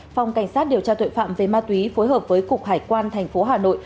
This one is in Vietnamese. phòng cảnh sát điều tra tội phạm về ma túy phối hợp với cục hải quan thành phố hà nội